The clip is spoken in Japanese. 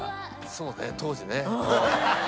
そうね当時ね。